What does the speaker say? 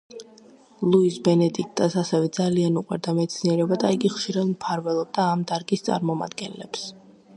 ლუიზ ბენედიქტას ასევე ძალიან უყვარდა მეცნიერება და იგი ხშირად მფარველობდა ამ დარგის წარმომადგენლებს.